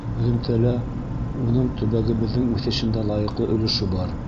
Һөҙөмтәлә уның төбәгебеҙҙең үҫешендә лайыҡлы өлөшө бар.